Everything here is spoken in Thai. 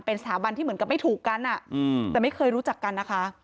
เป็นสถาบันที่เหมือนกับไม่ถูกกันแต่ไม่เคยรู้จักกันนะคะ